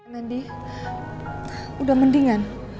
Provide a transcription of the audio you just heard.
nandi udah mendingan